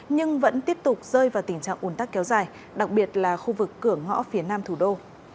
nhưng vẫn tiếp tục rơi vào tình trạng ồn tắc kéo dài đặc biệt là khu vực cửa ngõ phía nam thủ đô